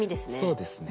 そうですね。